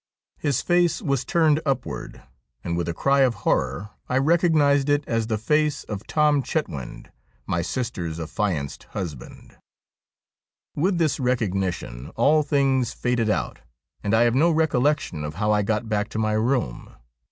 His face was turned upward, and with a cry of horror I recognised it as the face of Tom Chetwynd, my sister's allianced husband. With this recognition all things faded out, and I have no recollection of how 1 got back to my room.